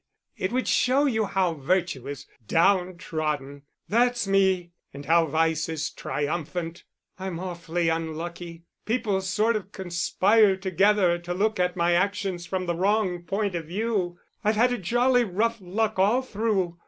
It would show you how virtue is downtrodden (that's me), and how vice is triumphant. I'm awfully unlucky; people sort of conspire together to look at my actions from the wrong point of view. I've had jolly rough luck all through.